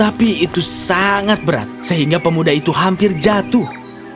tapi itu sangat berat sehingga pemuda itu hampir jatuh